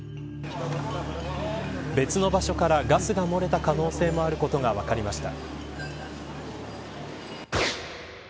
別の場所からガスが漏れた可能性もあることが分かりました。